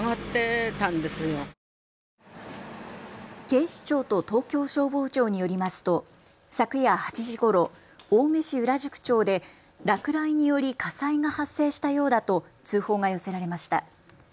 警視庁と東京消防庁によりますと昨夜８時ごろ、青梅市裏宿町で落雷により火災が発生したようだと通報が寄せられました。